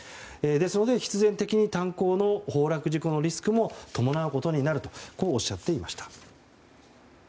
ですので、必然的に炭鉱の崩落事故のリスクも伴うことになるとおっしゃっていました。